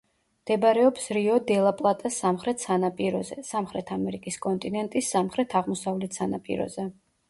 მდებარეობს რიო-დე-ლა-პლატას სამხრეთ სანაპიროზე, სამხრეთ ამერიკის კონტინენტის სამხრეთ-აღმოსავლეთ სანაპიროზე.